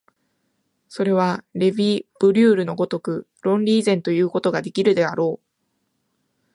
それはレヴィ・ブリュールの如く論理以前ということができるであろう。